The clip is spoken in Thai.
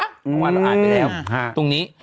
ผมว่าเราอ่านไปแล้วตรงนี้